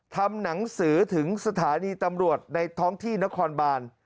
ทำหนังสือถึงสถานีตำรวจในท้องที่นครบาน